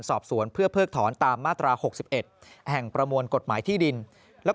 สอบสวนเพื่อเพิกถอนตามมาตรา๖๑แห่งประมวลกฎหมายที่ดินและ